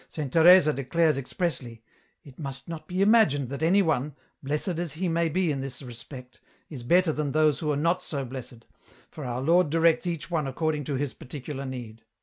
Saint Teresa declares ex pressly : it must not be imagined that anyone, blessed as he may be in this respect, is better than those who are not so blessed, for our Lord directs each one according to his particular need.